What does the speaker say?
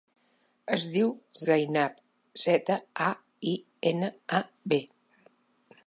Es diu Zainab: zeta, a, i, ena, a, be.